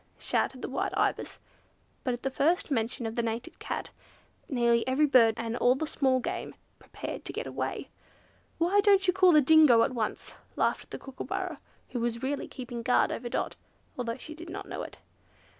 shouted the white Ibis. But at the first mention of the Native Cat nearly every bird, and all the small game, prepared to get away. "Why don't you call the Dingo at once?" laughed the Kookooburra, who was really keeping guard over Dot, although she did not know it.